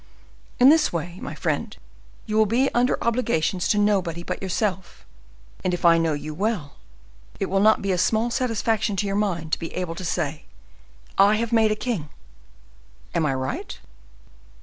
In this way, my friend, you will be under obligations to nobody but yourself; and, if I know you well, it will not be a small satisfaction to your mind to be able to say, 'I have made a king!' Am I right?"